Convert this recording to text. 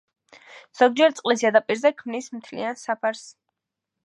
ზოგჯერ წყლის ზედაპირზე ქმნის მთლიან საფარს.